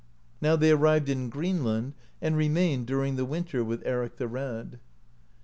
Now they arrived in Greenland, and remained during the winter with Eric the Red.